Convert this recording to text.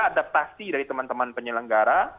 adaptasi dari teman teman penyelenggara